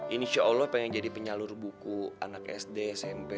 insya allah pengen jadi penyalur buku anak sd smp